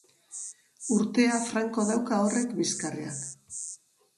Urtea franko dauka horrek bizkarrean.